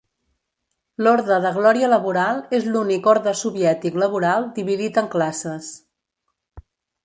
L'orde de Glòria Laboral és l'únic orde soviètic laboral dividit en classes.